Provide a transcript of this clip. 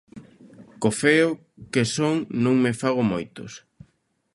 Co feo que son non me fago moitos.